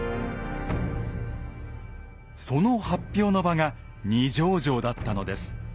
その発表の場が二条城だったのです。